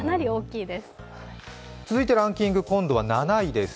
続いてランキング、今度は７位です。